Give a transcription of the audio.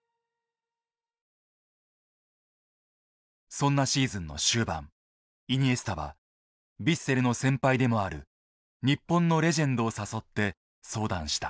そんなシーズンの終盤イニエスタはヴィッセルの先輩でもある日本のレジェンドを誘って相談した。